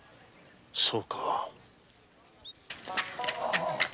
そうか。